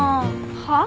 はあ？